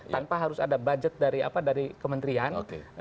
tanpa harus ada budget dari apa dari kementerian